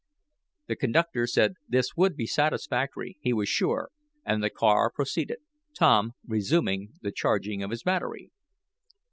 The conductor said this would be satisfactory, he was sure, and the car proceeded, Tom resuming the charging of his battery.